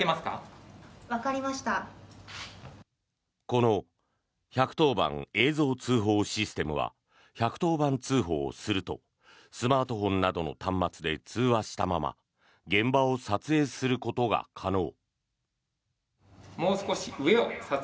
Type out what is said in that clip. この１１０番映像通報システムは１１０番通報をするとスマートフォンなどの端末で通話したまま現場を撮影することが可能。